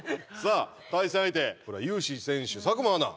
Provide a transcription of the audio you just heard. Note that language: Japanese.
対戦相手ＹＵＳＨＩ選手佐久間アナ。